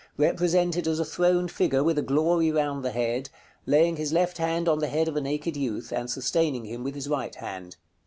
Represented as a throned figure, with a glory round the head, laying his left hand on the head of a naked youth, and sustaining him with his right hand.